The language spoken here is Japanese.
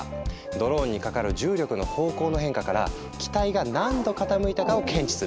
ドローンにかかる重力の方向の変化から機体が何度傾いたかを検知するんだ。